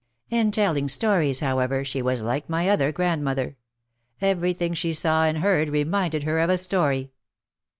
In telling stories, however, she was like my other grandmother. Every thing she saw and heard reminded her of a story.